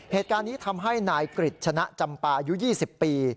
เหตุการณ์นี้ทำให้นายกริจชนะจำปาอายุ๒๐ปี